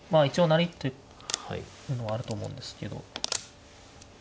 一応成りっていうのはあると思うんですけど。